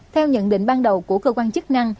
theo nhận định ban đầu của cơ quan chức năng